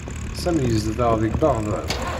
Sami yezdeɣ deg Beɣdad.